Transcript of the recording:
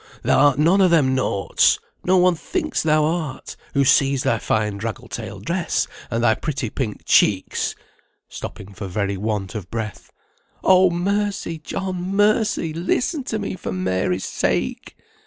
thou art none o' them naughts; no one thinks thou art, who sees thy fine draggle tailed dress, and thy pretty pink cheeks!" stopping for very want of breath. "Oh, mercy! John, mercy! listen to me for Mary's sake!"